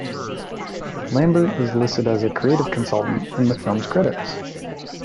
Lambert is listed as a creative consultant in the film's credits.